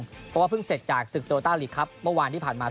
เพราะว่าเพิ่งเสร็จจากศึกโตต้าลีกครับเมื่อวานที่ผ่านมา